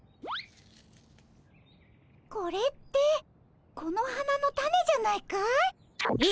これってこの花のたねじゃないかい？え！